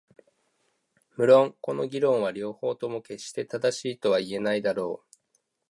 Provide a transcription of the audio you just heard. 無論この議論は両方とも決して正しいとは言えないだろう。